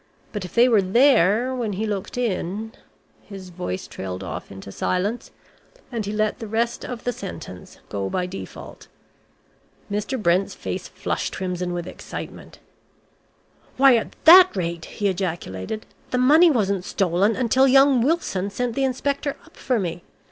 But if they were there when he looked in " His voice trailed off into silence, and he let the rest of the sentence go by default. Mr. Brent's face flushed crimson with excitement. "Why, at that rate," he ejaculated, "the money wasn't stolen until young Wilson sent the inspector up for me.